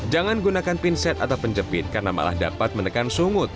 jangan gunakan pinset atau penjepit karena malah dapat menekan sungut